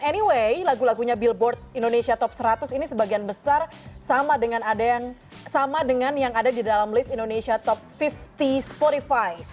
anyway lagu lagunya billboard indonesia top seratus ini sebagian besar sama dengan yang ada di dalam list indonesia top lima puluh spotify